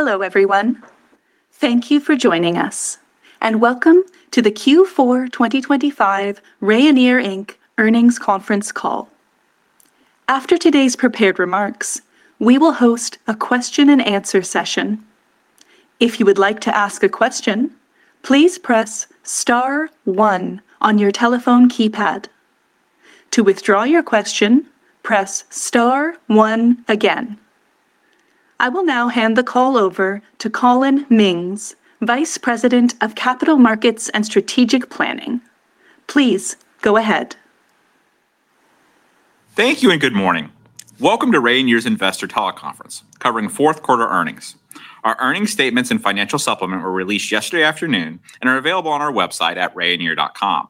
Hello, everyone. Thank you for joining us, and welcome to the Q4 2025 Rayonier Inc. Earnings Conference Call. After today's prepared remarks, we will host a question and answer session. If you would like to ask a question, please press star one on your telephone keypad. To withdraw your question, press star one again. I will now hand the call over to Collin Mings, Vice President of Capital Markets and Strategic Planning. Please go ahead. Thank you, and good morning. Welcome to Rayonier's Investor Teleconference, covering fourth quarter earnings. Our earnings statements and financial supplement were released yesterday afternoon and are available on our website at rayonier.com.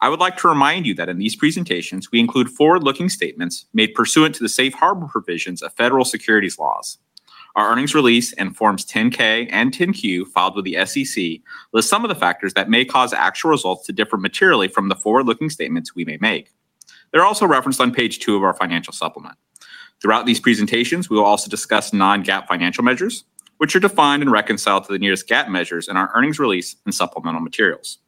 I would like to remind you that in these presentations, we include forward-looking statements made pursuant to the safe harbor provisions of federal securities laws. Our earnings release in Forms 10-K and 10-Q, filed with the SEC, list some of the factors that may cause actual results to differ materially from the forward-looking statements we may make. They're also referenced on page two of our financial supplement. Throughout these presentations, we will also discuss non-GAAP financial measures, which are defined and reconciled to the nearest GAAP measures in our earnings release and supplemental materials.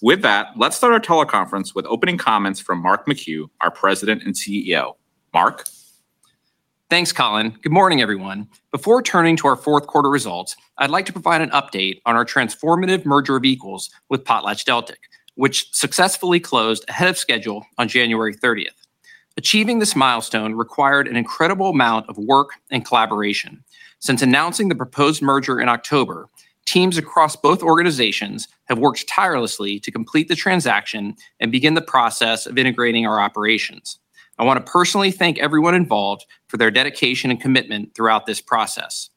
With that, let's start our teleconference with opening comments from Mark McHugh, our President and CEO. Mark? Thanks, Collin. Good morning, everyone. Before turning to our fourth quarter results, I'd like to provide an update on our transformative merger of equals with PotlatchDeltic, which successfully closed ahead of schedule on January thirtieth. Achieving this milestone required an incredible amount of work and collaboration. Since announcing the proposed merger in October, teams across both organizations have worked tirelessly to complete the transaction and begin the process of integrating our operations. I want to personally thank everyone involved for their dedication and commitment throughout this process.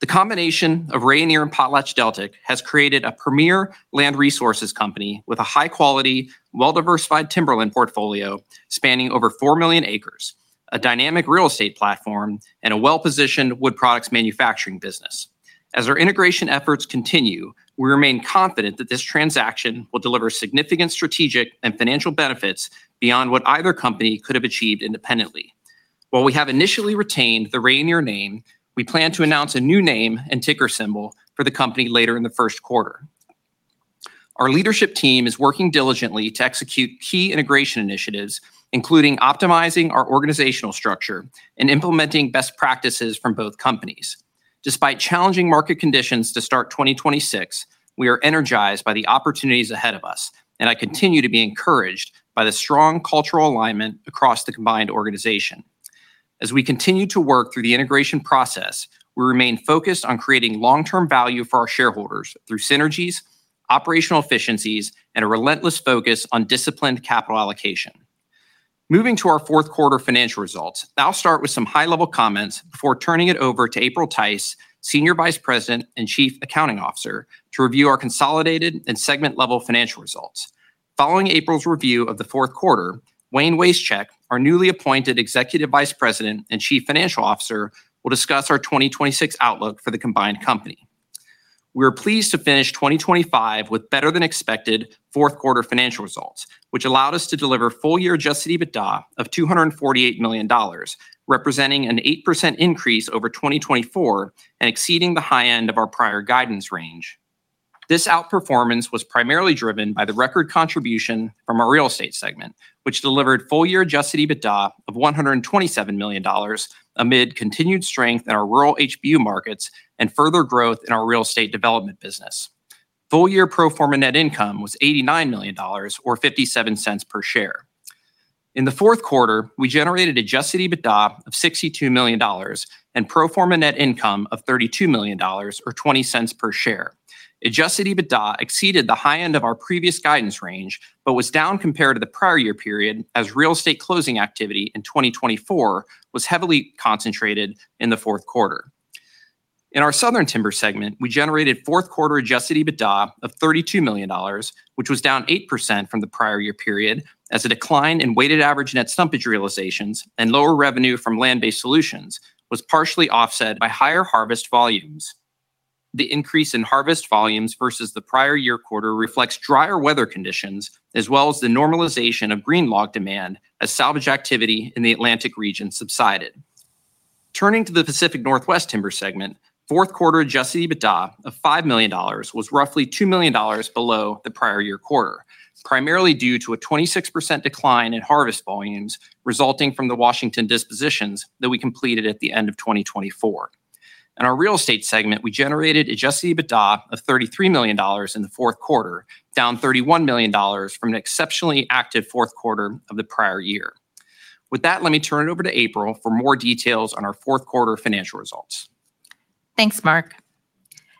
The combination of Rayonier and PotlatchDeltic has created a premier land resources company with a high-quality, well-diversified timberland portfolio spanning over 4 million acres, a dynamic real estate platform, and a well-positioned wood products manufacturing business. As our integration efforts continue, we remain confident that this transaction will deliver significant strategic and financial benefits beyond what either company could have achieved independently. While we have initially retained the Rayonier name, we plan to announce a new name and ticker symbol for the company later in the first quarter. Our leadership team is working diligently to execute key integration initiatives, including optimizing our organizational structure and implementing best practices from both companies. Despite challenging market conditions to start 2026, we are energized by the opportunities ahead of us, and I continue to be encouraged by the strong cultural alignment across the combined organization. As we continue to work through the integration process, we remain focused on creating long-term value for our shareholders through synergies, operational efficiencies, and a relentless focus on disciplined capital allocation. Moving to our fourth quarter financial results, I'll start with some high-level comments before turning it over to April Tice, Senior Vice President and Chief Accounting Officer, to review our consolidated and segment-level financial results. Following April's review of the fourth quarter, Wayne Wasechek, our newly appointed Executive Vice President and Chief Financial Officer, will discuss our 2026 outlook for the combined company. We are pleased to finish 2025 with better-than-expected fourth-quarter financial results, which allowed us to deliver full-year Adjusted EBITDA of $248 million, representing an 8% increase over 2024 and exceeding the high end of our prior guidance range. This outperformance was primarily driven by the record contribution from our real estate segment, which delivered full-year Adjusted EBITDA of $127 million, amid continued strength in our rural HBU markets and further growth in our real estate development business. Full-year pro forma net income was $89 million or $0.57 per share. In the fourth quarter, we generated Adjusted EBITDA of $62 million and pro forma net income of $32 million, or $0.20 per share. Adjusted EBITDA exceeded the high end of our previous guidance range but was down compared to the prior year period, as real estate closing activity in 2024 was heavily concentrated in the fourth quarter. In our Southern Timber segment, we generated fourth quarter adjusted EBITDA of $32 million, which was down 8% from the prior year period, as a decline in weighted average net stumpage realizations and lower revenue from land-based solutions was partially offset by higher harvest volumes. The increase in harvest volumes versus the prior year quarter reflects drier weather conditions, as well as the normalization of green log demand as salvage activity in the Atlantic region subsided. Turning to the Pacific Northwest Timber segment, fourth quarter adjusted EBITDA of $5 million was roughly $2 million below the prior year quarter, primarily due to a 26% decline in harvest volumes resulting from the Washington dispositions that we completed at the end of 2024. In our real estate segment, we generated Adjusted EBITDA of $33 million in the fourth quarter, down $31 million from an exceptionally active fourth quarter of the prior year. With that, let me turn it over to April for more details on our fourth quarter financial results. Thanks, Mark.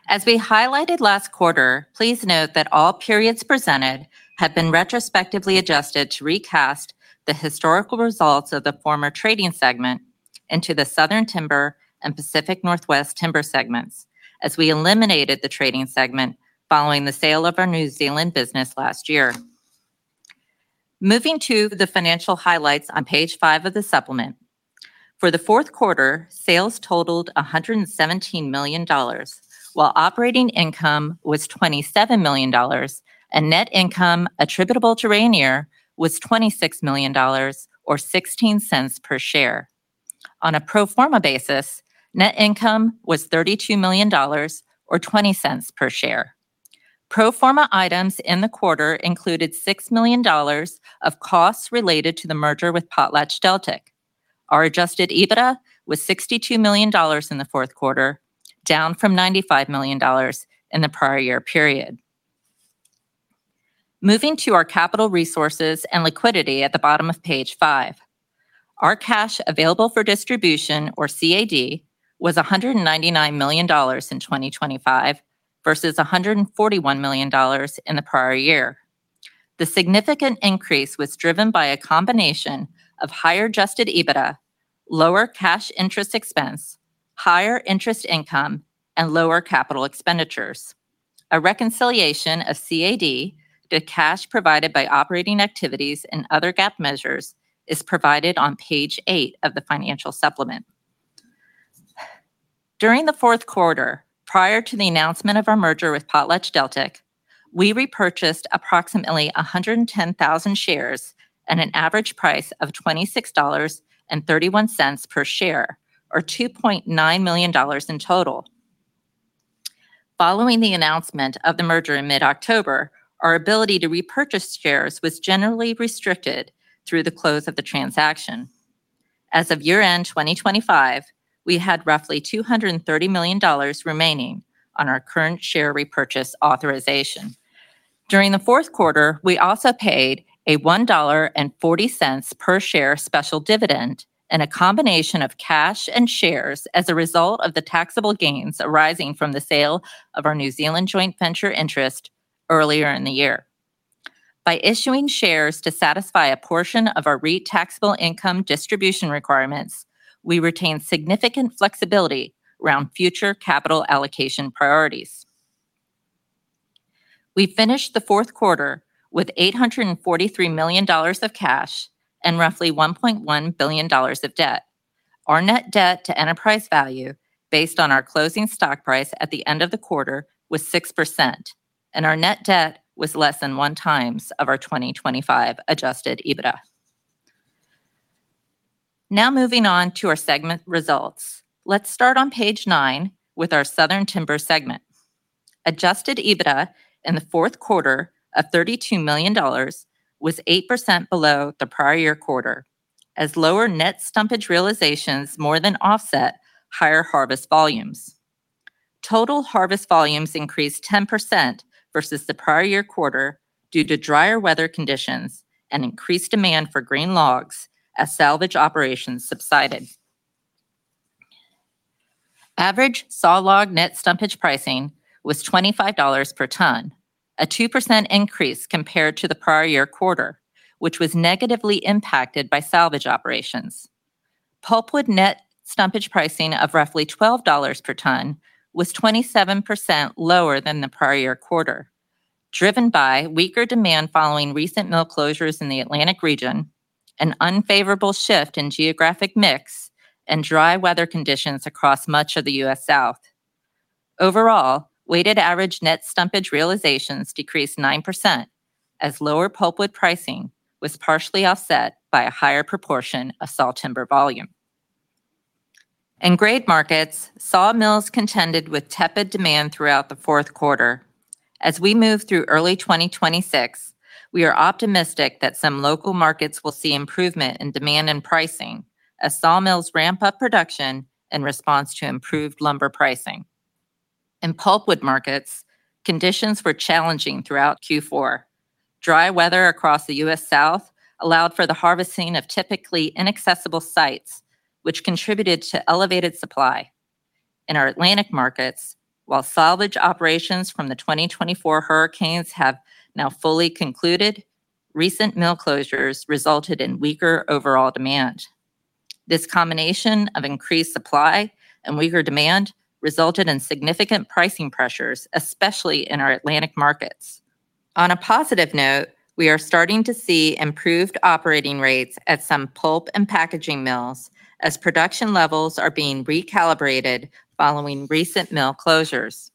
As we highlighted last quarter, please note that all periods presented have been retrospectively adjusted to recast the historical results of the former trading segment into the Southern Timber and Pacific Northwest Timber segments, as we eliminated the trading segment following the sale of our New Zealand business last year. Moving to the financial highlights on page 5 of the supplement. For the fourth quarter, sales totaled $117 million, while operating income was $27 million, and net income attributable to Rayonier was $26 million or 16 cents per share. On a pro forma basis, net income was $32 million, or 20 cents per share. Pro forma items in the quarter included $6 million of costs related to the merger with PotlatchDeltic. Our Adjusted EBITDA was $62 million in the fourth quarter, down from $95 million in the prior year period. Moving to our capital resources and liquidity at the bottom of page five. Our cash available for distribution, or CAD, was $199 million in 2025, versus $141 million in the prior year. The significant increase was driven by a combination of higher Adjusted EBITDA, lower cash interest expense, higher interest income, and lower capital expenditures. A reconciliation of CAD to cash provided by operating activities and other GAAP measures is provided on page eight of the financial supplement. During the fourth quarter, prior to the announcement of our merger with PotlatchDeltic, we repurchased approximately 110,000 shares at an average price of $26.31 per share, or $2.9 million in total. Following the announcement of the merger in mid-October, our ability to repurchase shares was generally restricted through the close of the transaction. As of year-end 2025, we had roughly $230 million remaining on our current share repurchase authorization. During the fourth quarter, we also paid a $1.40 per share special dividend, and a combination of cash and shares as a result of the taxable gains arising from the sale of our New Zealand joint venture interest earlier in the year. By issuing shares to satisfy a portion of our REIT taxable income distribution requirements, we retain significant flexibility around future capital allocation priorities. We finished the fourth quarter with $843 million of cash and roughly $1.1 billion of debt. Our net debt to enterprise value, based on our closing stock price at the end of the quarter, was 6%, and our net debt was less than 1x of our 2025 adjusted EBITDA. Now, moving on to our segment results. Let's start on page 9 with our Southern Timber segment. Adjusted EBITDA in the fourth quarter of $32 million was 8% below the prior year quarter, as lower net stumpage realizations more than offset higher harvest volumes. Total harvest volumes increased 10% versus the prior year quarter due to drier weather conditions and increased demand for green logs as salvage operations subsided. Average sawlog net stumpage pricing was $25 per ton, a 2% increase compared to the prior year quarter, which was negatively impacted by salvage operations. Pulpwood net stumpage pricing of roughly $12 per ton was 27% lower than the prior year quarter, driven by weaker demand following recent mill closures in the Atlantic region, an unfavorable shift in geographic mix, and dry weather conditions across much of the U.S. South. Overall, weighted average net stumpage realizations decreased 9%, as lower pulpwood pricing was partially offset by a higher proportion of sawtimber volume. In grade markets, sawmills contended with tepid demand throughout the fourth quarter. As we move through early 2026, we are optimistic that some local markets will see improvement in demand and pricing as sawmills ramp up production in response to improved lumber pricing. In pulpwood markets, conditions were challenging throughout Q4. Dry weather across the U.S. South allowed for the harvesting of typically inaccessible sites, which contributed to elevated supply. In our Atlantic markets, while salvage operations from the 2024 hurricanes have now fully concluded, recent mill closures resulted in weaker overall demand. This combination of increased supply and weaker demand resulted in significant pricing pressures, especially in our Atlantic markets. On a positive note, we are starting to see improved operating rates at some pulp and packaging mills, as production levels are being recalibrated following recent mill closures.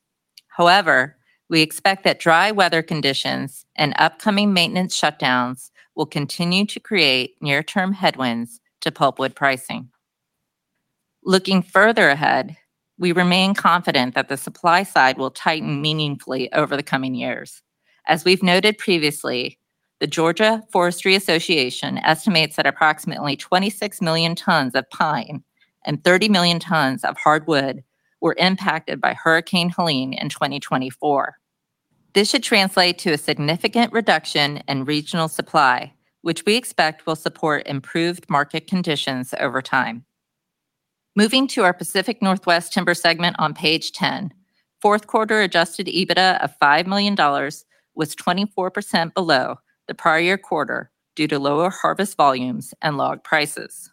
However, we expect that dry weather conditions and upcoming maintenance shutdowns will continue to create near-term headwinds to pulpwood pricing. Looking further ahead, we remain confident that the supply side will tighten meaningfully over the coming years. As we've noted previously, the Georgia Forestry Association estimates that approximately 26 million tons of pine and 30 million tons of hardwood were impacted by Hurricane Helene in 2024. This should translate to a significant reduction in regional supply, which we expect will support improved market conditions over time. Moving to our Pacific Northwest Timber segment on page 10, fourth quarter adjusted EBITDA of $5 million was 24% below the prior year quarter due to lower harvest volumes and log prices.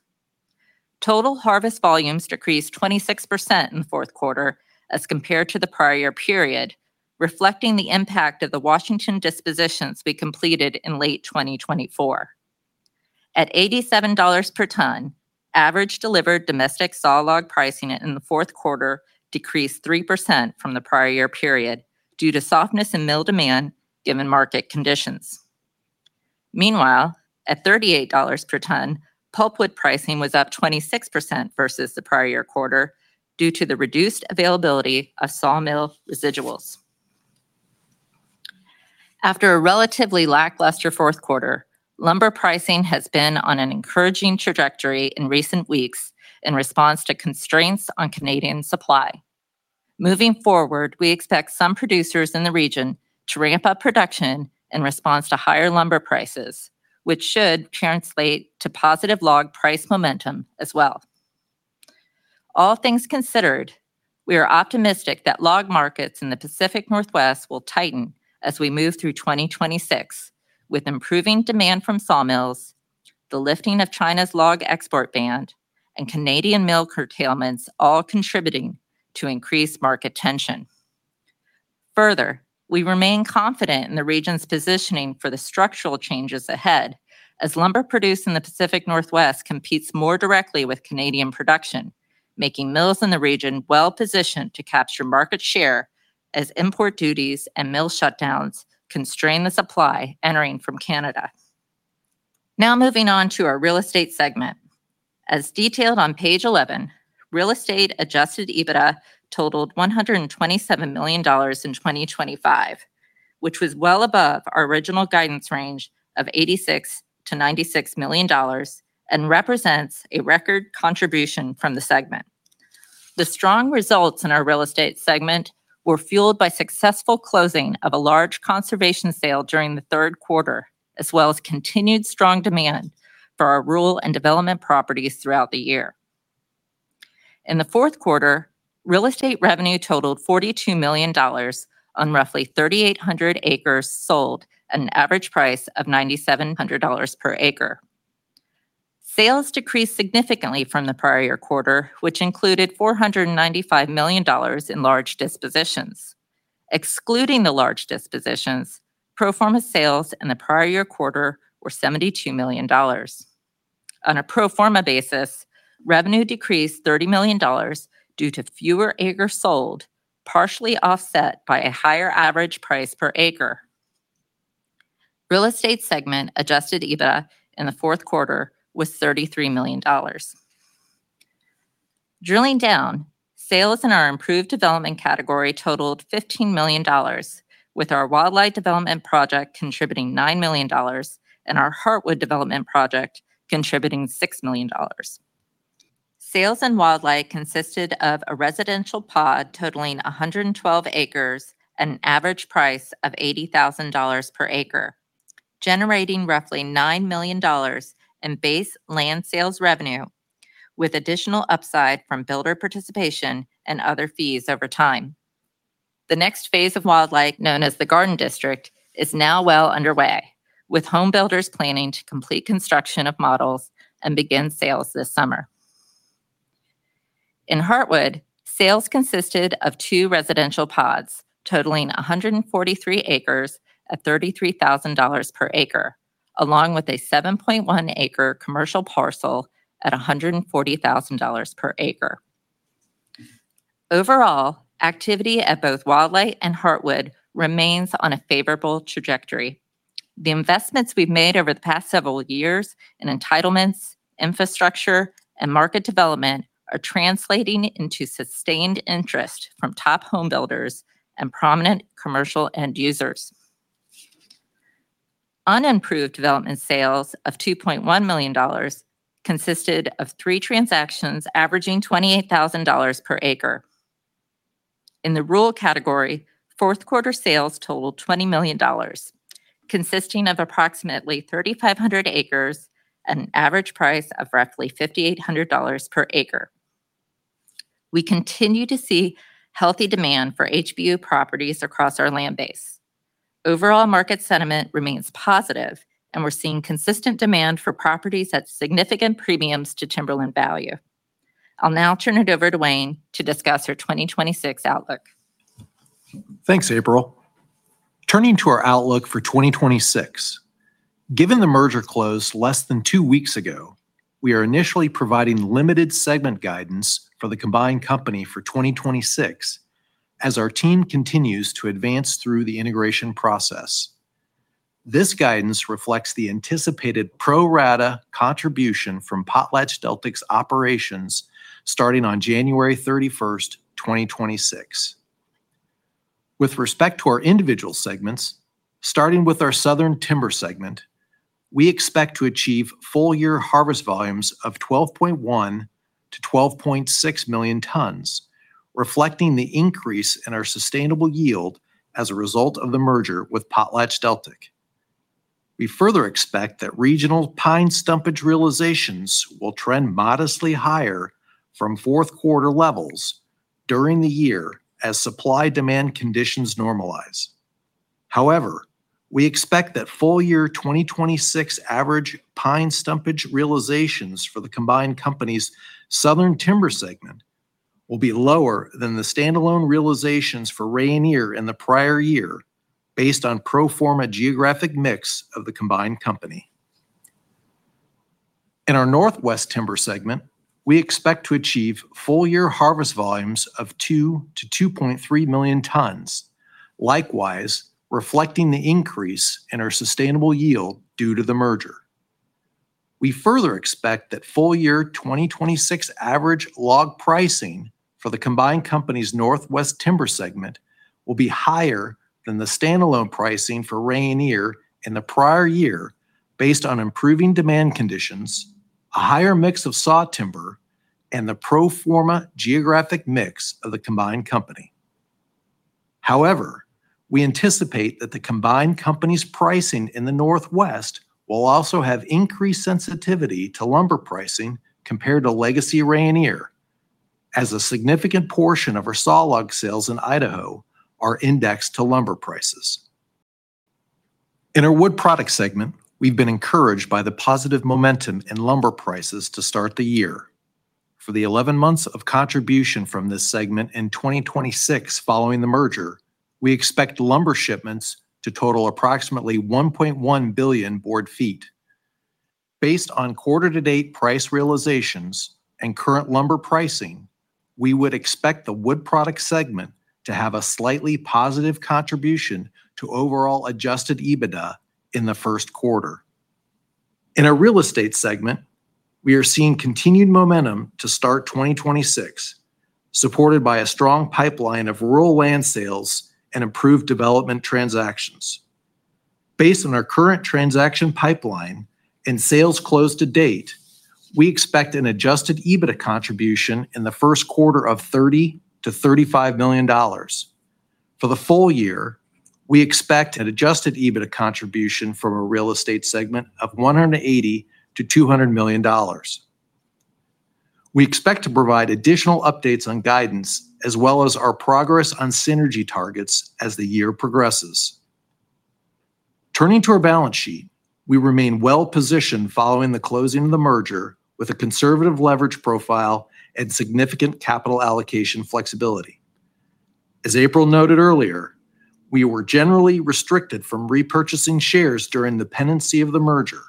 Total harvest volumes decreased 26% in the fourth quarter as compared to the prior year period, reflecting the impact of the Washington dispositions we completed in late 2024. At $87 per ton, average delivered domestic sawlog pricing in the fourth quarter decreased 3% from the prior year period due to softness in mill demand, given market conditions. Meanwhile, at $38 per ton, pulpwood pricing was up 26% versus the prior year quarter due to the reduced availability of sawmill residuals. After a relatively lackluster fourth quarter, lumber pricing has been on an encouraging trajectory in recent weeks in response to constraints on Canadian supply. Moving forward, we expect some producers in the region to ramp up production in response to higher lumber prices, which should translate to positive log price momentum as well. All things considered, we are optimistic that log markets in the Pacific Northwest will tighten as we move through 2026, with improving demand from sawmills, the lifting of China's log export ban, and Canadian mill curtailments all contributing to increased market tension. Further, we remain confident in the region's positioning for the structural changes ahead, as lumber produced in the Pacific Northwest competes more directly with Canadian production, making mills in the region well-positioned to capture market share as import duties and mill shutdowns constrain the supply entering from Canada. Now, moving on to our real estate segment. As detailed on page 11, real estate Adjusted EBITDA totaled $127 million in 2025, which was well above our original guidance range of $86 million-$96 million and represents a record contribution from the segment. The strong results in our real estate segment were fueled by successful closing of a large conservation sale during the third quarter, as well as continued strong demand for our rural and development properties throughout the year. In the fourth quarter, real estate revenue totaled $42 million on roughly 3,800 acres sold at an average price of $9,700 per acre. Sales decreased significantly from the prior year quarter, which included $495 million in large dispositions. Excluding the large dispositions, pro forma sales in the prior year quarter were $72 million. On a pro forma basis, revenue decreased $30 million due to fewer acres sold, partially offset by a higher average price per acre. Real estate segment Adjusted EBITDA in the fourth quarter was $33 million. Drilling down, sales in our improved development category totaled $15 million, with our Wildlight development project contributing $9 million and our Heartwood development project contributing $6 million. Sales in Wildlight consisted of a residential pod totaling 112 acres at an average price of $80,000 per acre, generating roughly $9 million in base land sales revenue, with additional upside from builder participation and other fees over time. The next phase of Wildlight, known as the Garden District, is now well underway, with home builders planning to complete construction of models and begin sales this summer. In Heartwood, sales consisted of two residential pods totaling 143 acres at $33,000 per acre, along with a 7.1-acre commercial parcel at $140,000 per acre. Overall, activity at both Wildlight and Heartwood remains on a favorable trajectory. The investments we've made over the past several years in entitlements, infrastructure, and market development are translating into sustained interest from top home builders and prominent commercial end users. Unimproved development sales of $2.1 million consisted of 3 transactions, averaging $28,000 per acre. In the rural category, fourth quarter sales totaled $20 million, consisting of approximately 3,500 acres at an average price of roughly $5,800 per acre. We continue to see healthy demand for HBU properties across our land base. Overall, market sentiment remains positive, and we're seeing consistent demand for properties at significant premiums to timberland value. I'll now turn it over to Wayne to discuss our 2026 outlook. Thanks, April. Turning to our outlook for 2026, given the merger closed less than two weeks ago, we are initially providing limited segment guidance for the combined company for 2026, as our team continues to advance through the integration process. This guidance reflects the anticipated pro rata contribution from PotlatchDeltic's operations starting on January 31st, 2026. With respect to our individual segments, starting with our southern timber segment, we expect to achieve full-year harvest volumes of 12.1-12.6 million tons, reflecting the increase in our sustainable yield as a result of the merger with PotlatchDeltic. We further expect that regional pine stumpage realizations will trend modestly higher from fourth quarter levels during the year as supply-demand conditions normalize. However, we expect that full-year 2026 average pine sawtimber realizations for the combined company's southern timber segment will be lower than the standalone realizations for Rayonier in the prior year, based on pro forma geographic mix of the combined company. In our Northwest Timber segment, we expect to achieve full-year harvest volumes of 2-2.3 million tons, likewise, reflecting the increase in our sustainable yield due to the merger. We further expect that full-year 2026 average log pricing for the combined company's Northwest Timber segment will be higher than the standalone pricing for Rayonier in the prior year, based on improving demand conditions, a higher mix of saw timber, and the pro forma geographic mix of the combined company. However, we anticipate that the combined company's pricing in the Northwest will also have increased sensitivity to lumber pricing compared to legacy Rayonier, as a significant portion of our sawlog sales in Idaho are indexed to lumber prices. In our Wood Products Segment, we've been encouraged by the positive momentum in lumber prices to start the year. For the 11 months of contribution from this segment in 2026 following the merger, we expect lumber shipments to total approximately 1.1 billion board feet. Based on quarter-to-date price realizations and current lumber pricing, we would expect the Wood Products Segment to have a slightly positive contribution to overall Adjusted EBITDA in the first quarter. In our real estate segment, we are seeing continued momentum to start 2026, supported by a strong pipeline of rural land sales and improved development transactions. Based on our current transaction pipeline and sales closed to date, we expect an Adjusted EBITDA contribution in the first quarter of $30-$35 million. For the full year, we expect an Adjusted EBITDA contribution from our real estate segment of $180-$200 million. We expect to provide additional updates on guidance, as well as our progress on synergy targets as the year progresses. Turning to our balance sheet, we remain well-positioned following the closing of the merger with a conservative leverage profile and significant capital allocation flexibility. As April noted earlier, we were generally restricted from repurchasing shares during the pendency of the merger.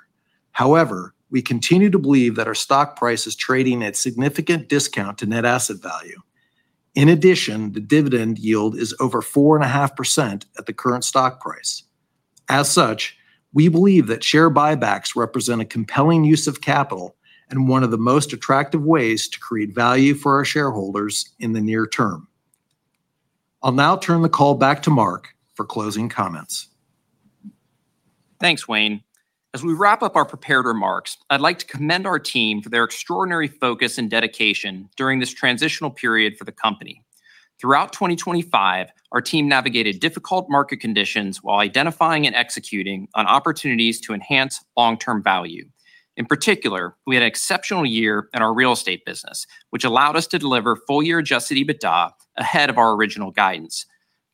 However, we continue to believe that our stock price is trading at significant discount to net asset value. In addition, the dividend yield is over 4.5% at the current stock price. As such, we believe that share buybacks represent a compelling use of capital and one of the most attractive ways to create value for our shareholders in the near term. I'll now turn the call back to Mark for closing comments. Thanks, Wayne. As we wrap up our prepared remarks, I'd like to commend our team for their extraordinary focus and dedication during this transitional period for the company. Throughout 2025, our team navigated difficult market conditions while identifying and executing on opportunities to enhance long-term value. In particular, we had an exceptional year in our real estate business, which allowed us to deliver full-year Adjusted EBITDA ahead of our original guidance.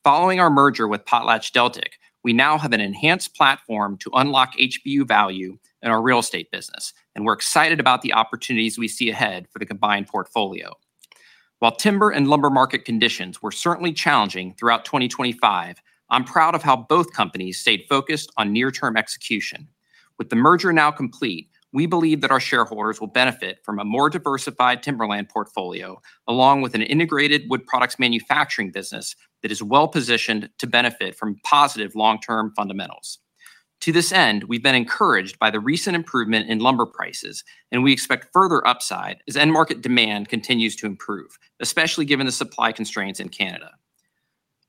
Following our merger with PotlatchDeltic, we now have an enhanced platform to unlock HBU value in our real estate business, and we're excited about the opportunities we see ahead for the combined portfolio. While timber and lumber market conditions were certainly challenging throughout 2025, I'm proud of how both companies stayed focused on near-term execution. With the merger now complete, we believe that our shareholders will benefit from a more diversified timberland portfolio, along with an integrated wood products manufacturing business that is well-positioned to benefit from positive long-term fundamentals. To this end, we've been encouraged by the recent improvement in lumber prices, and we expect further upside as end market demand continues to improve, especially given the supply constraints in Canada.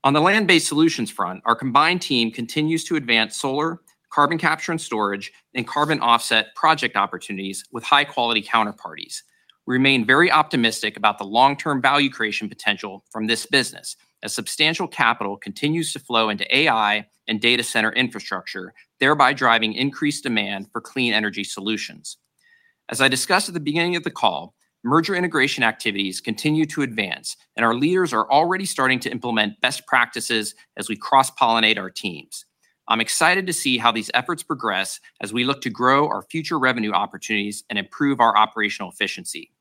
On the land-based solutions front, our combined team continues to advance solar, carbon capture and storage, and carbon offset project opportunities with high-quality counterparties. We remain very optimistic about the long-term value creation potential from this business, as substantial capital continues to flow into AI and data center infrastructure, thereby driving increased demand for clean energy solutions. As I discussed at the beginning of the call, merger integration activities continue to advance, and our leaders are already starting to implement best practices as we cross-pollinate our teams. I'm excited to see how these efforts progress as we look to grow our future revenue opportunities and improve our operational efficiency.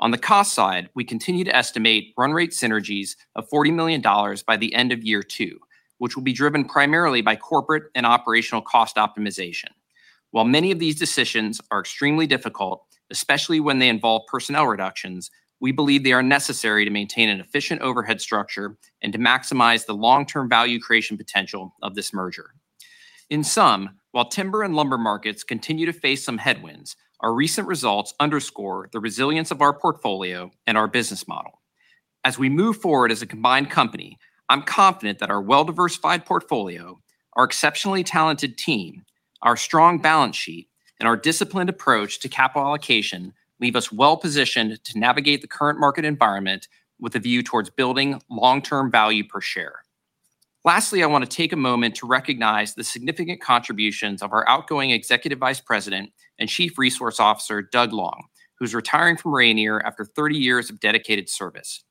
On the cost side, we continue to estimate run rate synergies of $40 million by the end of year two, which will be driven primarily by corporate and operational cost optimization. While many of these decisions are extremely difficult, especially when they involve personnel reductions, we believe they are necessary to maintain an efficient overhead structure and to maximize the long-term value creation potential of this merger. In sum, while timber and lumber markets continue to face some headwinds, our recent results underscore the resilience of our portfolio and our business model. As we move forward as a combined company, I'm confident that our well-diversified portfolio, our exceptionally talented team, our strong balance sheet, and our disciplined approach to capital allocation leave us well-positioned to navigate the current market environment with a view towards building long-term value per share. Lastly, I want to take a moment to recognize the significant contributions of our outgoing Executive Vice President and Chief Resource Officer, Doug Long, who's retiring from Rayonier after 30 years of dedicated service.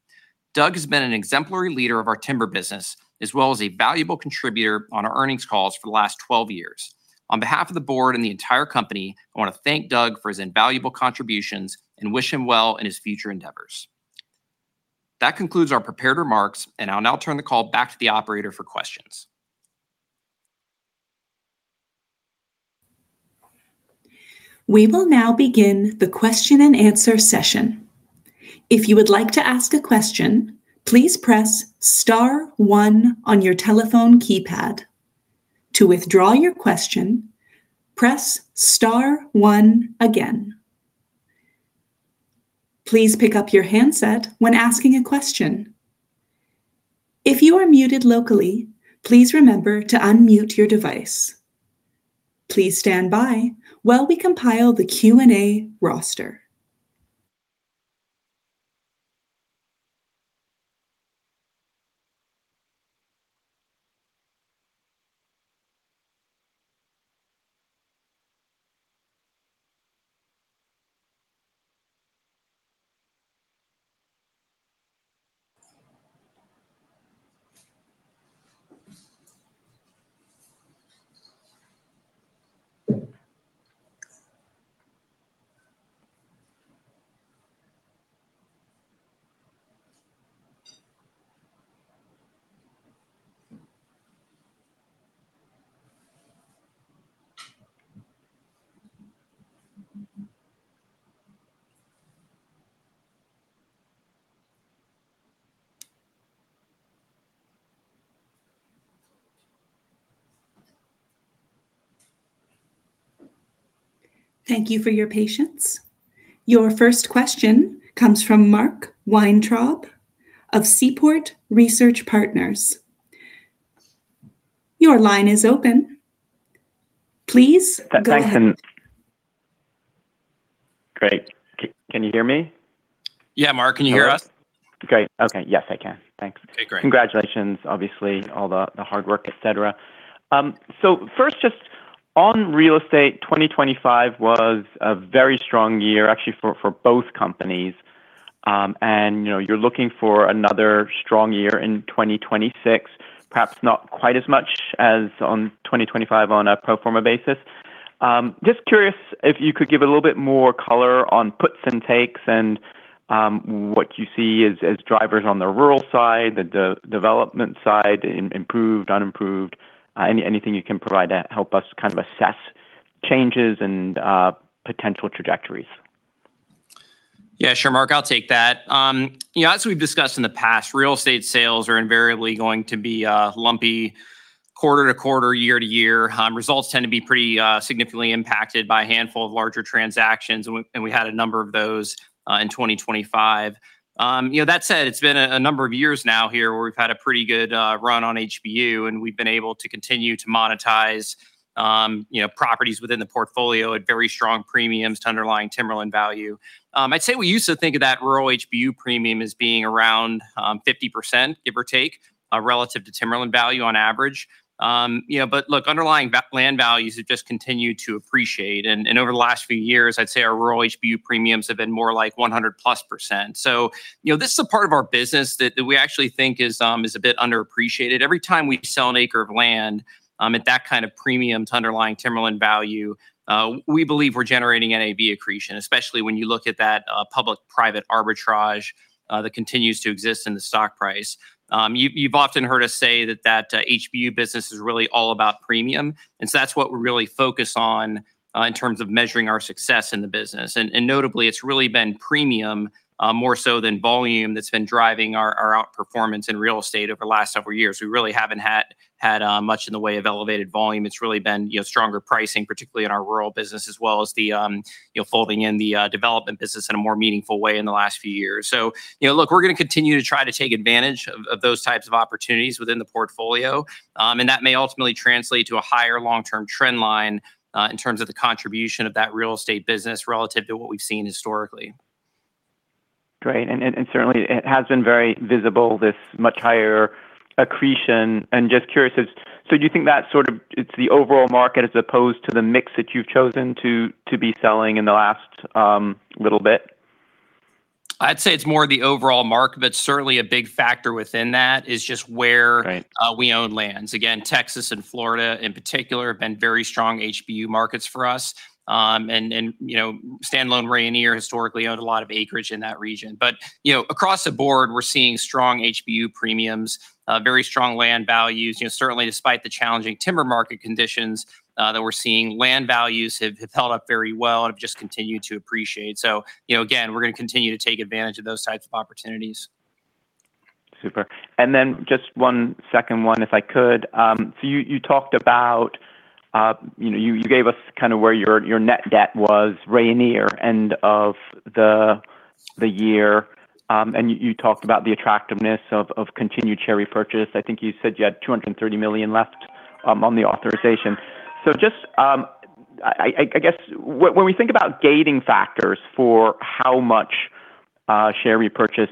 Doug has been an exemplary leader of our timber business, as well as a valuable contributor on our earnings calls for the last 12 years. On behalf of the board and the entire company, I want to thank Doug for his invaluable contributions and wish him well in his future endeavors. That concludes our prepared remarks, and I'll now turn the call back to the operator for questions. We will now begin the question and answer session. If you would like to ask a question, please press star one on your telephone keypad. To withdraw your question, press star one again. Please pick up your handset when asking a question. If you are muted locally, please remember to unmute your device. Please stand by while we compile the Q&A roster. Thank you for your patience. Your first question comes from Mark Weintraub of Seaport Research Partners. Your line is open. Please go ahead. Thanks. Great. Can you hear me? Yeah, Mark, can you hear us? Great. Okay. Yes, I can. Thanks. Okay, great. Congratulations, obviously, all the hard work, et cetera. So first, just on real estate, 2025 was a very strong year, actually, for both companies. And, you know, you're looking for another strong year in 2026, perhaps not quite as much as on 2025 on a pro forma basis. Just curious if you could give a little bit more color on puts and takes and what you see as drivers on the rural side, the development side, improved, unimproved. Anything you can provide to help us kind of assess changes and potential trajectories? Yeah, sure, Mark, I'll take that. You know, as we've discussed in the past, real estate sales are invariably going to be lumpy quarter to quarter, year to year. Results tend to be pretty significantly impacted by a handful of larger transactions, and we had a number of those in 2025. You know, that said, it's been a number of years now here where we've had a pretty good run on HBU, and we've been able to continue to monetize you know, properties within the portfolio at very strong premiums to underlying timberland value. I'd say we used to think of that rural HBU premium as being around 50%, give or take, relative to timberland value on average. You know, but look, underlying land values have just continued to appreciate, and over the last few years, I'd say our rural HBU premiums have been more like 100%+. So, you know, this is a part of our business that we actually think is a bit underappreciated. Every time we sell an acre of land at that kind of premium to underlying timberland value, we believe we're generating NAV accretion, especially when you look at that public-private arbitrage that continues to exist in the stock price. You've often heard us say that HBU business is really all about premium, and so that's what we're really focused on in terms of measuring our success in the business. Notably, it's really been premium more so than volume that's been driving our outperformance in real estate over the last several years. We really haven't had much in the way of elevated volume. It's really been, you know, stronger pricing, particularly in our rural business, as well as the, you know, folding in the development business in a more meaningful way in the last few years. So, you know, look, we're gonna continue to try to take advantage of those types of opportunities within the portfolio, and that may ultimately translate to a higher long-term trend line in terms of the contribution of that real estate business relative to what we've seen historically. Great. And certainly, it has been very visible, this much higher accretion. And just curious, so do you think that sort of it's the overall market as opposed to the mix that you've chosen to be selling in the last little bit? I'd say it's more the overall market, but certainly a big factor within that is just where- Right... we own lands. Again, Texas and Florida, in particular, have been very strong HBU markets for us. And, you know, standalone Rayonier historically owned a lot of acreage in that region. But, you know, across the board, we're seeing strong HBU premiums, very strong land values. You know, certainly despite the challenging timber market conditions that we're seeing, land values have held up very well and have just continued to appreciate. So, you know, again, we're gonna continue to take advantage of those types of opportunities. Super. And then just one second, if I could. So you talked about. You know, you gave us kind of where your net debt was Rayonier, end of the year, and you talked about the attractiveness of continued share repurchase. I think you said you had $230 million left on the authorization. So just, I guess, when we think about gating factors for how much share repurchase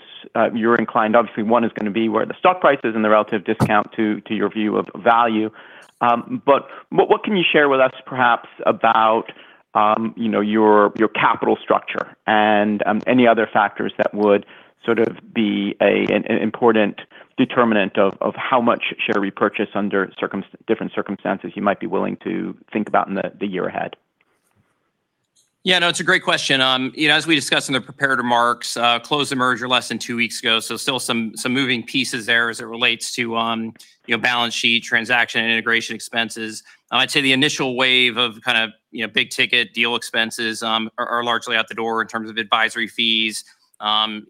you're inclined, obviously, one is gonna be where the stock price is and the relative discount to your view of value. But what can you share with us perhaps about, you know, your capital structure and any other factors that would sort of be an important determinant of how much share repurchase under different circumstances you might be willing to think about in the year ahead? ... Yeah, no, it's a great question. You know, as we discussed in the prepared remarks, closed the merger less than two weeks ago, so still some moving pieces there as it relates to, you know, balance sheet, transaction, and integration expenses. I'd say the initial wave of kind of, you know, big-ticket deal expenses are largely out the door in terms of advisory fees, you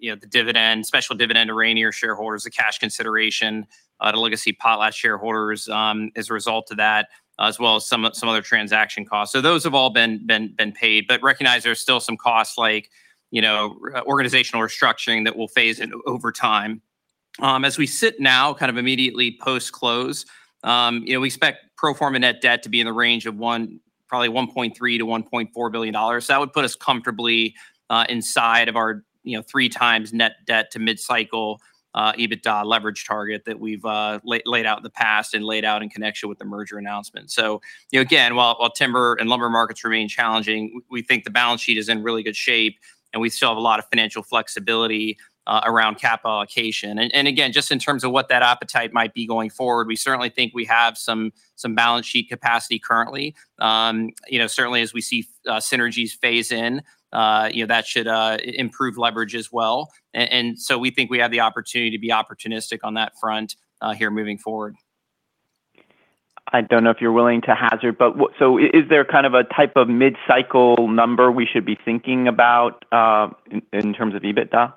know, the dividend, special dividend to Rayonier shareholders, the cash consideration to legacy Potlatch shareholders, as a result of that, as well as some other transaction costs. So those have all been paid. But recognize there are still some costs like, you know, organizational restructuring that will phase in over time. As we sit now, kind of immediately post-close, you know, we expect pro forma net debt to be in the range of probably $1.3-$1.4 billion. That would put us comfortably inside of our, you know, 3x net debt to mid-cycle EBITDA leverage target that we've laid out in the past and laid out in connection with the merger announcement. So, you know, again, while timber and lumber markets remain challenging, we think the balance sheet is in really good shape, and we still have a lot of financial flexibility around cap allocation. And again, just in terms of what that appetite might be going forward, we certainly think we have some balance sheet capacity currently. You know, certainly as we see synergies phase in, you know, that should improve leverage as well. And so we think we have the opportunity to be opportunistic on that front here moving forward. I don't know if you're willing to hazard, but is there kind of a type of mid-cycle number we should be thinking about, in terms of EBITDA?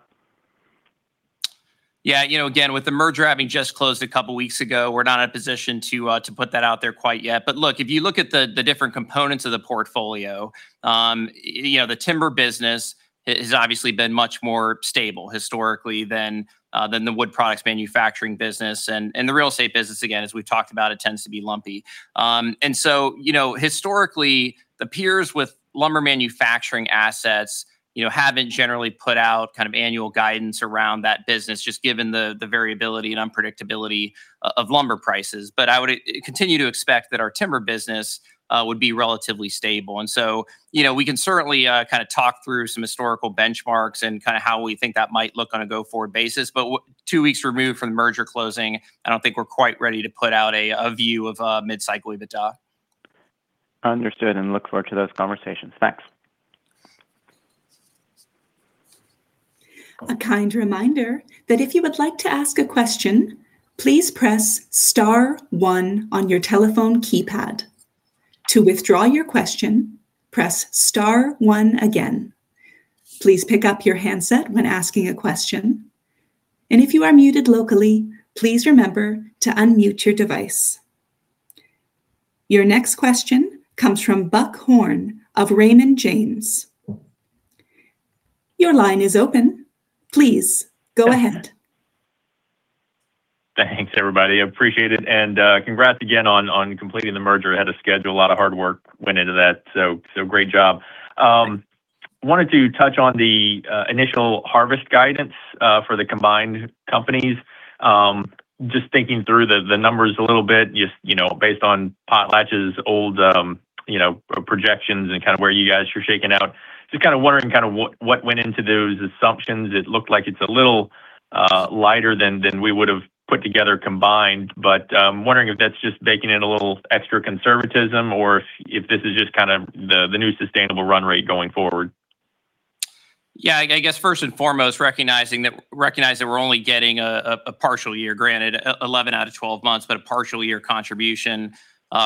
Yeah, you know, again, with the merger having just closed a couple of weeks ago, we're not in a position to put that out there quite yet. But look, if you look at the different components of the portfolio, you know, the timber business has obviously been much more stable historically than the wood products manufacturing business. And the real estate business, again, as we've talked about, it tends to be lumpy. And so, you know, historically, the peers with lumber manufacturing assets, you know, haven't generally put out kind of annual guidance around that business, just given the variability and unpredictability of lumber prices. But I would continue to expect that our timber business would be relatively stable. So, you know, we can certainly kind of talk through some historical benchmarks and kind of how we think that might look on a go-forward basis. But two weeks removed from the merger closing, I don't think we're quite ready to put out a view of mid-cycle EBITDA. Understood, and look forward to those conversations. Thanks. A kind reminder that if you would like to ask a question, please press star one on your telephone keypad. To withdraw your question, press star one again. Please pick up your handset when asking a question, and if you are muted locally, please remember to unmute your device. Your next question comes from Buck Horne of Raymond James. Your line is open. Please, go ahead. Thanks, everybody. I appreciate it, and congrats again on completing the merger ahead of schedule. A lot of hard work went into that, so great job. Wanted to touch on the initial harvest guidance for the combined companies. Just thinking through the numbers a little bit, just, you know, based on Potlatch's old, you know, projections and kind of where you guys are shaking out. Just kind of wondering kind of what went into those assumptions. It looked like it's a little lighter than we would have put together combined, but wondering if that's just baking in a little extra conservatism or if this is just kind of the new sustainable run rate going forward? Yeah, I guess first and foremost, recognize that we're only getting a partial year granted, 11 out of 12 months, but a partial year contribution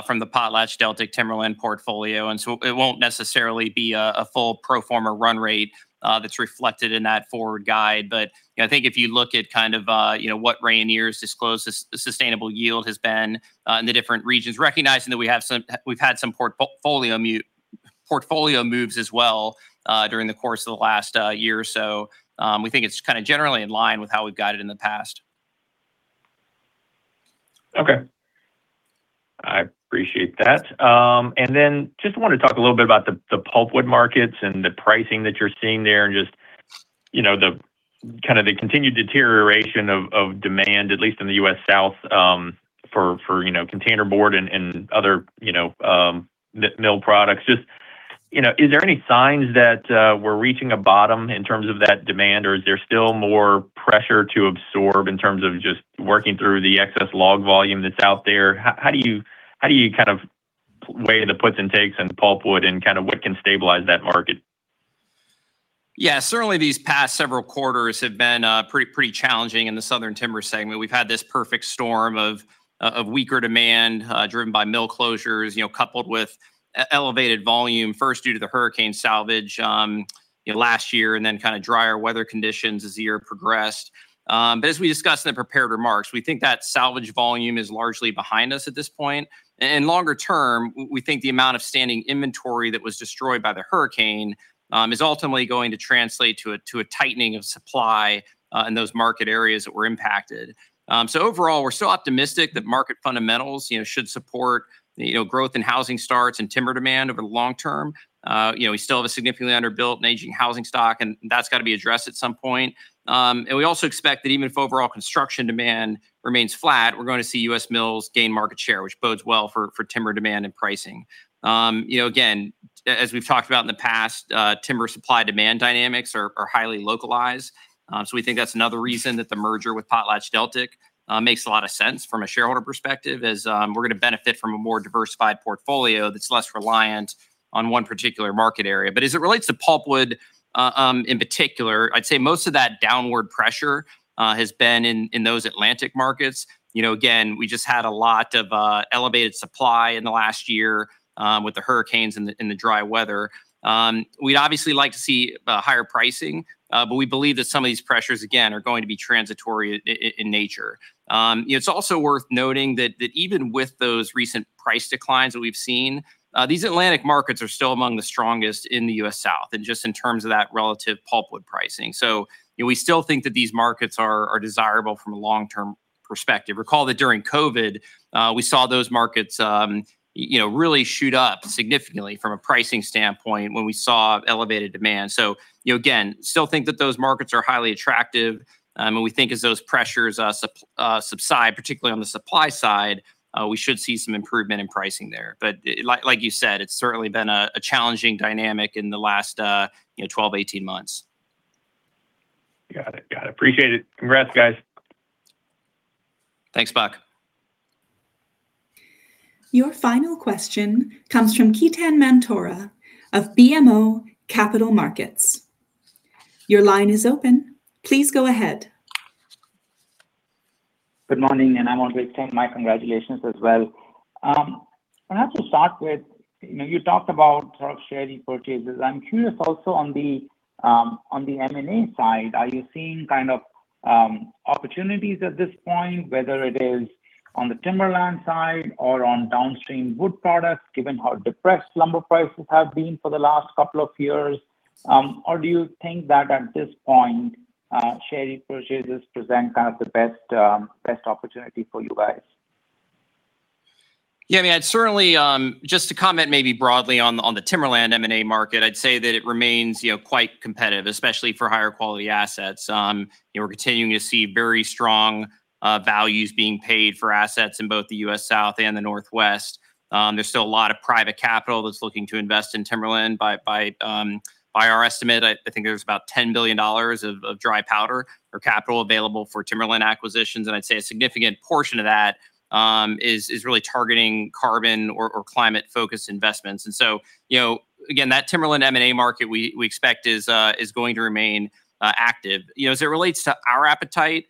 from the PotlatchDeltic Timberland portfolio, and so it won't necessarily be a full pro forma run rate that's reflected in that forward guide. But, you know, I think if you look at kind of, you know, what Rayonier's disclosed sustainable yield has been in the different regions, recognizing that we have some... We've had some portfolio moves as well during the course of the last year or so, we think it's kind of generally in line with how we've got it in the past. Okay. I appreciate that. And then just wanted to talk a little bit about the pulpwood markets and the pricing that you're seeing there, and just, you know, the kind of the continued deterioration of demand, at least in the U.S. South, for, you know, container board and other, you know, mill products. Just, you know, is there any signs that we're reaching a bottom in terms of that demand, or is there still more pressure to absorb in terms of just working through the excess log volume that's out there? How do you kind of weigh the puts and takes in the pulpwood and kind of what can stabilize that market? Yeah, certainly these past several quarters have been pretty challenging in the Southern timber segment. We've had this perfect storm of weaker demand driven by mill closures, you know, coupled with elevated volume, first due to the hurricane salvage, you know, last year, and then kind of drier weather conditions as the year progressed. But as we discussed in the prepared remarks, we think that salvage volume is largely behind us at this point, and longer term, we think the amount of standing inventory that was destroyed by the hurricane is ultimately going to translate to a tightening of supply in those market areas that were impacted. So overall, we're still optimistic that market fundamentals, you know, should support, you know, growth in housing starts and timber demand over the long term. You know, we still have a significantly underbuilt and aging housing stock, and that's got to be addressed at some point. And we also expect that even if overall construction demand remains flat, we're going to see U.S. mills gain market share, which bodes well for timber demand and pricing. You know, again, as we've talked about in the past, timber supply-demand dynamics are highly localized. So we think that's another reason that the merger with PotlatchDeltic makes a lot of sense from a shareholder perspective, as we're going to benefit from a more diversified portfolio that's less reliant on one particular market area. But as it relates to pulpwood, in particular, I'd say most of that downward pressure has been in those Atlantic markets. You know, again, we just had a lot of elevated supply in the last year with the hurricanes and the dry weather. We'd obviously like to see higher pricing, but we believe that some of these pressures, again, are going to be transitory in nature. It's also worth noting that even with those recent price declines that we've seen, these Atlantic markets are still among the strongest in the U.S. South, and just in terms of that relative pulpwood pricing. So we still think that these markets are desirable from a long-term perspective. Recall that during COVID, we saw those markets, you know, really shoot up significantly from a pricing standpoint when we saw elevated demand. So, you know, again, still think that those markets are highly attractive, and we think as those pressures subside, particularly on the supply side, we should see some improvement in pricing there. But like you said, it's certainly been a challenging dynamic in the last, you know, 12-18 months. Got it. Got it. Appreciate it. Congrats, guys. Thanks, Buck. Your final question comes from Ketan Mamtora of BMO Capital Markets. Your line is open. Please go ahead. Good morning, and I want to extend my congratulations as well. Perhaps to start with, you know, you talked about sort of share repurchases. I'm curious also on the, on the M and A side, are you seeing kind of, opportunities at this point, whether it is on the timberland side or on downstream wood products, given how depressed lumber prices have been for the last couple of years? Or do you think that at this point, share repurchases present kind of the best, best opportunity for you guys? Yeah, I mean, I'd certainly just to comment maybe broadly on the, on the timberland M and A market, I'd say that it remains, you know, quite competitive, especially for higher-quality assets. And we're continuing to see very strong values being paid for assets in both the U.S. South and the Northwest. There's still a lot of private capital that's looking to invest in timberland. By our estimate, I think there's about $10 billion of dry powder or capital available for timberland acquisitions, and I'd say a significant portion of that is really targeting carbon or climate-focused investments. And so, you know, again, that timberland M and A market we expect is going to remain active. You know, as it relates to our appetite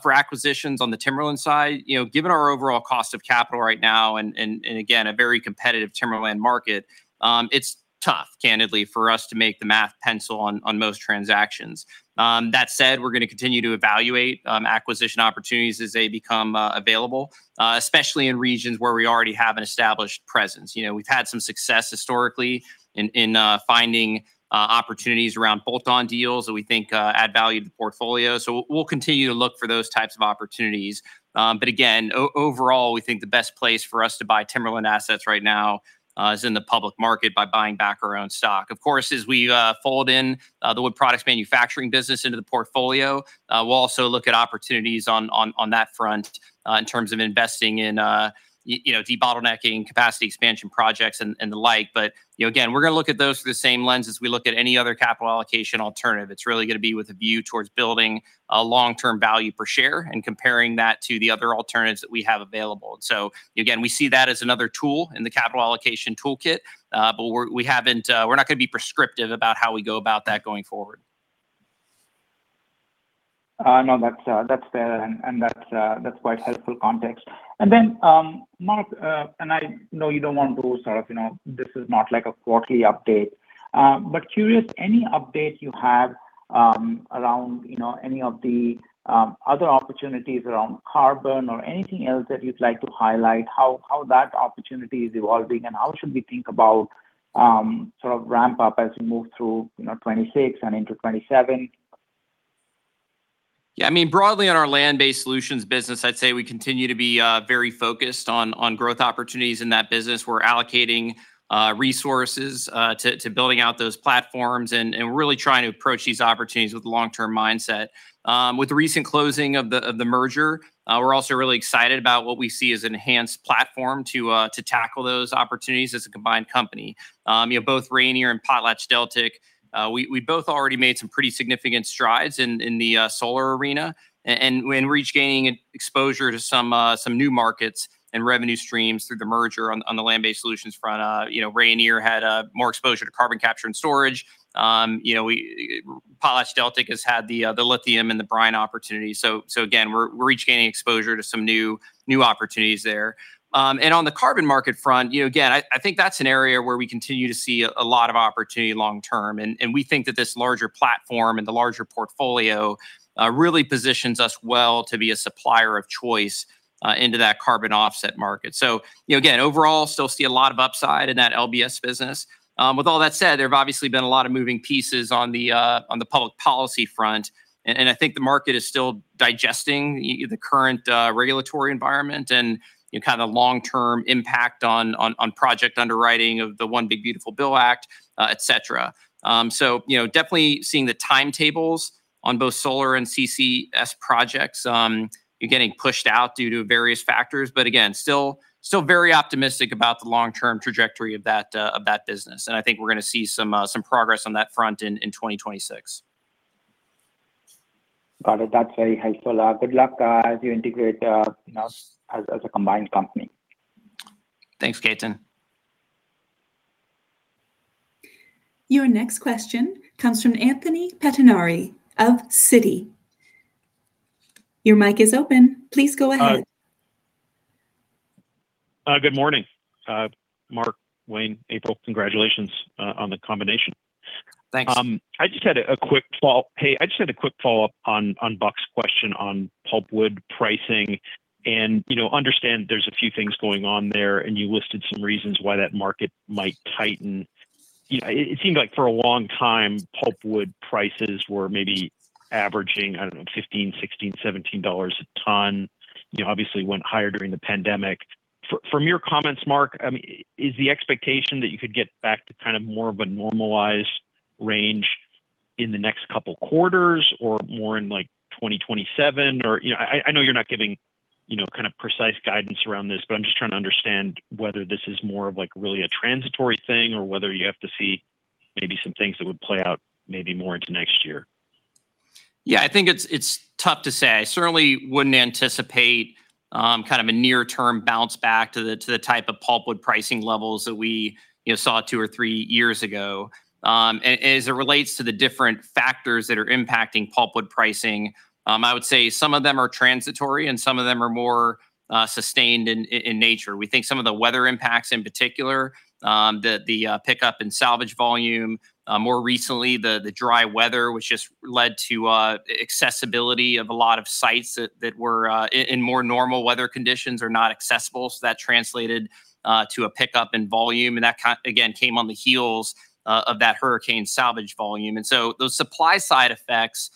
for acquisitions on the timberland side, you know, given our overall cost of capital right now and again, a very competitive timberland market, it's tough, candidly, for us to make the math pencil on most transactions. That said, we're going to continue to evaluate acquisition opportunities as they become available, especially in regions where we already have an established presence. You know, we've had some success historically in finding opportunities around bolt-on deals that we think add value to the portfolio, so we'll continue to look for those types of opportunities. But again, overall, we think the best place for us to buy timberland assets right now is in the public market by buying back our own stock. Of course, as we fold in the wood products manufacturing business into the portfolio, we'll also look at opportunities on that front in terms of investing in, you know, debottlenecking, capacity expansion projects, and the like. But, you know, again, we're going to look at those through the same lens as we look at any other capital allocation alternative. It's really going to be with a view towards building a long-term value per share and comparing that to the other alternatives that we have available. So again, we see that as another tool in the capital allocation toolkit, but we're. We haven't, we're not going to be prescriptive about how we go about that going forward. No, that's, that's fair, and, and that's, that's quite helpful context. And then, Mark, and I know you don't want to sort of, you know, this is not like a quarterly update, but curious, any update you have, around, you know, any of the, other opportunities around carbon or anything else that you'd like to highlight, how, how that opportunity is evolving, and how should we think about, sort of ramp up as we move through, you know, 2026 and into 2027? Yeah, I mean, broadly, on our Land-Based Solutions business, I'd say we continue to be very focused on growth opportunities in that business. We're allocating resources to building out those platforms and really trying to approach these opportunities with a long-term mindset. With the recent closing of the merger, we're also really excited about what we see as an enhanced platform to tackle those opportunities as a combined company. You know, both Rayonier and PotlatchDeltic, we both already made some pretty significant strides in the solar arena, and we're each gaining exposure to some new markets and revenue streams through the merger on the land-based solutions front. You know, Rayonier had more exposure to carbon capture and storage. You know, we, PotlatchDeltic has had the lithium and the brine opportunity. So again, we're each gaining exposure to some new opportunities there. And on the carbon market front, you know, again, I think that's an area where we continue to see a lot of opportunity long term, and we think that this larger platform and the larger portfolio really positions us well to be a supplier of choice into that carbon offset market. So, you know, again, overall, still see a lot of upside in that LBS business. With all that said, there have obviously been a lot of moving pieces on the public policy front, and I think the market is still digesting the current regulatory environment and, you know, kind of long-term impact on project underwriting of the One Big Beautiful Bill Act, et cetera. So you know, definitely seeing the timetables on both solar and CCS projects getting pushed out due to various factors, but again, still very optimistic about the long-term trajectory of that business, and I think we're going to see some progress on that front in 2026.... Got it. That's very helpful. Good luck, as you integrate, you know, as a combined company. Thanks, Ketan. Your next question comes from Anthony Pettinari of Citi. Your mic is open. Please go ahead. Good morning, Mark, Wayne, April. Congratulations on the combination. Thanks. I just had a quick follow-up. Hey, I just had a quick follow-up on Buck's question on pulpwood pricing, and, you know, understand there's a few things going on there, and you listed some reasons why that market might tighten. You know, it seemed like for a long time, pulpwood prices were maybe averaging, I don't know, $15-$17 a ton. You know, obviously went higher during the pandemic. From your comments, Mark, I mean, is the expectation that you could get back to kind of more of a normalized range in the next couple quarters or more in, like, 2027? Or, you know, I know you're not giving, you know, kind of precise guidance around this, but I'm just trying to understand whether this is more of, like, really a transitory thing or whether you have to see maybe some things that would play out maybe more into next year. Yeah, I think it's tough to say. I certainly wouldn't anticipate kind of a near-term bounce back to the type of pulpwood pricing levels that we, you know, saw 2 or 3 years ago. And as it relates to the different factors that are impacting pulpwood pricing, I would say some of them are transitory, and some of them are more sustained in nature. We think some of the weather impacts, in particular, the pickup and salvage volume more recently, the dry weather, which has led to accessibility of a lot of sites that were in more normal weather conditions are not accessible, so that translated to a pickup in volume, and that again came on the heels of that hurricane salvage volume. And so those supply-side effects,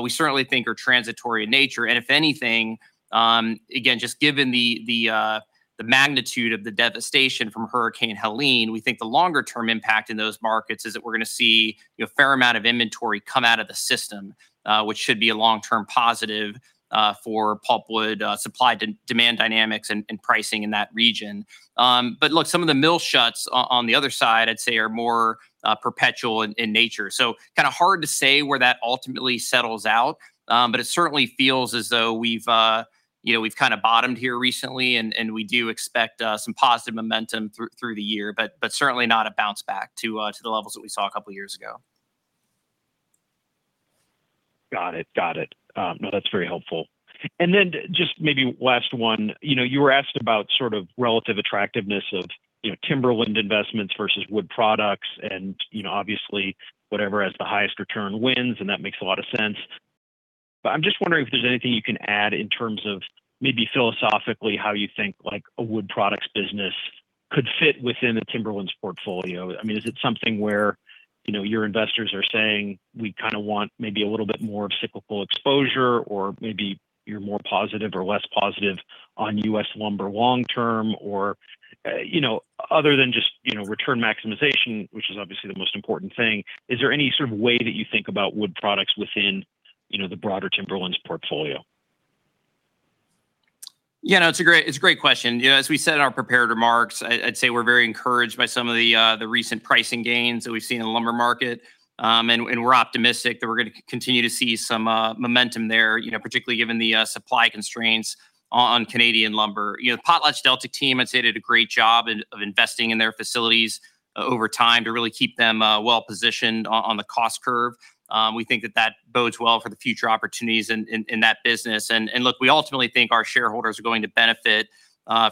we certainly think are transitory in nature. And if anything, again, just given the magnitude of the devastation from Hurricane Helene, we think the longer-term impact in those markets is that we're gonna see a fair amount of inventory come out of the system, which should be a long-term positive for pulpwood supply-demand dynamics and pricing in that region. But look, some of the mill shutdowns on the other side, I'd say, are more perpetual in nature. So kind of hard to say where that ultimately settles out, but it certainly feels as though we've, you know, we've kind of bottomed here recently, and we do expect some positive momentum through the year, but certainly not a bounce back to the levels that we saw a couple of years ago. Got it. Got it. No, that's very helpful. And then just maybe last one. You know, you were asked about sort of relative attractiveness of, you know, timberland investments versus wood products, and, you know, obviously, whatever has the highest return wins, and that makes a lot of sense. But I'm just wondering if there's anything you can add in terms of maybe philosophically, how you think, like, a wood products business could fit within the timberlands portfolio. I mean, is it something where, you know, your investors are saying, "We kind of want maybe a little bit more cyclical exposure," or maybe you're more positive or less positive on U.S. lumber long term, or, you know, other than just, you know, return maximization, which is obviously the most important thing, is there any sort of way that you think about wood products within, you know, the broader timberlands portfolio? Yeah, no, it's a great- it's a great question. You know, as we said in our prepared remarks, I'd say we're very encouraged by some of the recent pricing gains that we've seen in the lumber market. And we're optimistic that we're gonna continue to see some momentum there, you know, particularly given the supply constraints on Canadian lumber. You know, PotlatchDeltic team, I'd say, did a great job in investing in their facilities over time to really keep them well-positioned on the cost curve. We think that that bodes well for the future opportunities in that business. And look, we ultimately think our shareholders are going to benefit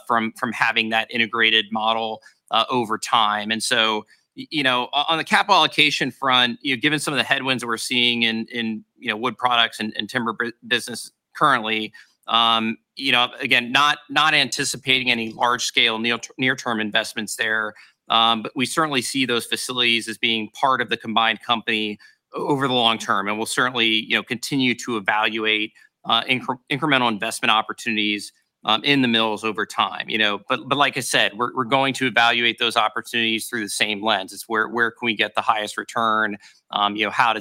from having that integrated model over time. And so, you know, on the capital allocation front, you know, given some of the headwinds that we're seeing in, in, you know, wood products and timber business currently, you know, again, not anticipating any large-scale near-term investments there, but we certainly see those facilities as being part of the combined company over the long term. And we'll certainly, you know, continue to evaluate incremental investment opportunities in the mills over time, you know? But like I said, we're going to evaluate those opportunities through the same lens. It's where can we get the highest return? You know, how do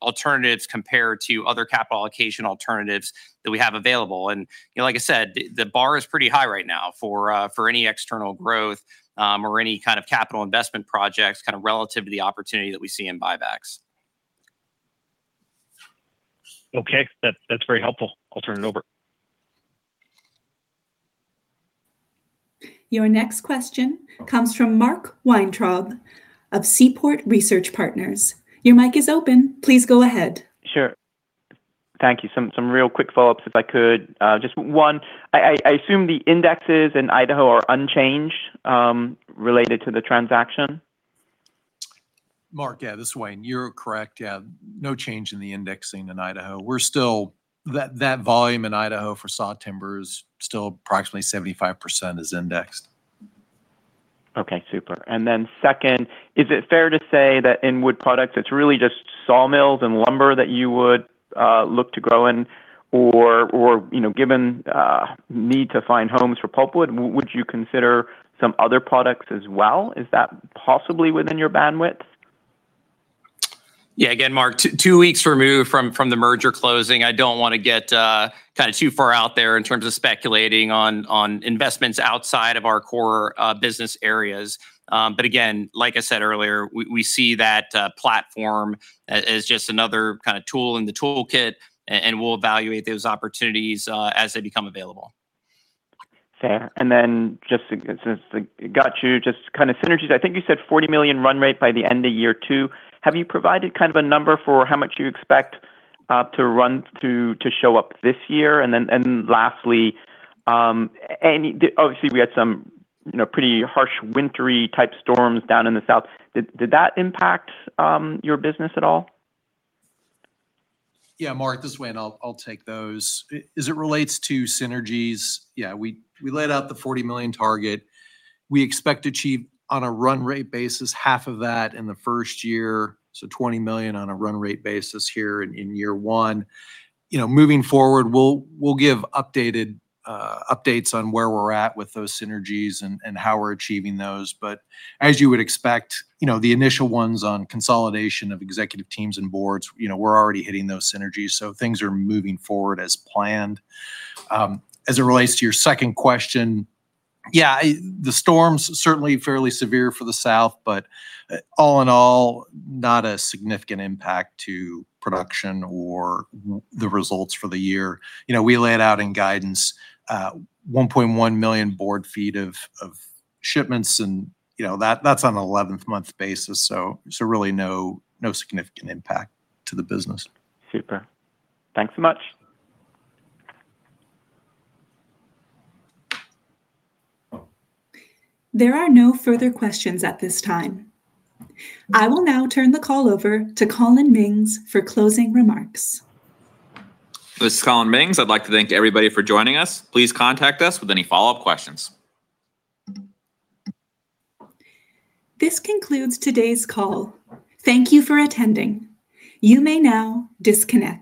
those alternatives compare to other capital allocation alternatives that we have available? You know, like I said, the bar is pretty high right now for any external growth or any kind of capital investment projects, kind of relative to the opportunity that we see in buybacks. Okay. That, that's very helpful. I'll turn it over. Your next question comes from Mark Weintraub of Seaport Research Partners. Your mic is open. Please go ahead. Sure. Thank you. Some real quick follow-ups, if I could. Just one, I assume the indexes in Idaho are unchanged related to the transaction? Mark, yeah, this is Wayne. You're correct. Yeah, no change in the indexing in Idaho. We're still... That, that volume in Idaho for sawtimber is still approximately 75% is indexed. Okay, super. And then second, is it fair to say that in wood products, it's really just sawmills and lumber that you would look to grow in? Or, you know, given need to find homes for pulpwood, would you consider some other products as well? Is that possibly within your bandwidth? Yeah, again, Mark, two weeks removed from the merger closing, I don't wanna get kind of too far out there in terms of speculating on investments outside of our core business areas. But again, like I said earlier, we see that platform as just another kind of tool in the toolkit, and we'll evaluate those opportunities as they become available.... Fair. And then just since I got you, just kind of synergies. I think you said $40 million run rate by the end of year two. Have you provided kind of a number for how much you expect to run through to show up this year? And then, and lastly, any—obviously, we had some, you know, pretty harsh wintry type storms down in the South. Did that impact your business at all? Yeah, Mark, this is Wayne. I'll take those. As it relates to synergies, yeah, we laid out the $40 million target. We expect to achieve on a run rate basis, half of that in the first year, so $20 million on a run rate basis here in year one. You know, moving forward, we'll give updated updates on where we're at with those synergies and how we're achieving those. But as you would expect, you know, the initial ones on consolidation of executive teams and boards, you know, we're already hitting those synergies, so things are moving forward as planned. As it relates to your second question, yeah, the storms certainly fairly severe for the South, but all in all, not a significant impact to production or the results for the year. You know, we laid out in guidance 1.1 million board feet of shipments and, you know, that's on an 11-month basis, so really no significant impact to the business. Super. Thanks so much. There are no further questions at this time. I will now turn the call over to Collin Mings for closing remarks. This is Collin Mings. I'd like to thank everybody for joining us. Please contact us with any follow-up questions. This concludes today's call. Thank you for attending. You may now disconnect.